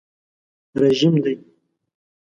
رژیم دی.